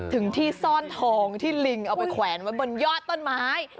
ถึงที่ซ่อนทองที่ลิงเอาไปแขวนไว้บนยอดต้นไม้